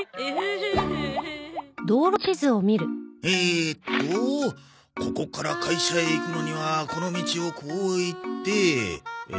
えーっとここから会社へ行くのにはこの道をこう行って。